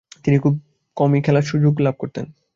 তিনি খুব কমই খেলার সুযোগ লাভ করতেন।